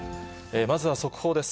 まずは速報です。